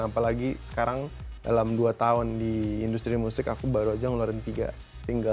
apalagi sekarang dalam dua tahun di industri musik aku baru aja ngeluarin tiga single